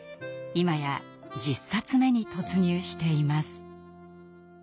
今や１０冊目に突入しています。